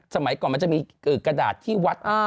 สมัยก่อนมันจะมีกระดาษที่วัด